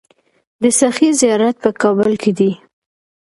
د سخي زیارت په کابل کې دی